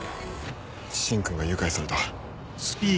芯君が誘拐された。